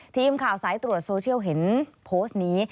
ทีมข่าวสายตรวจโซเชียลเห็นโพสต์นี้